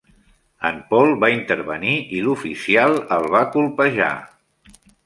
En Pol va intervenir i l'oficial el va colpejar.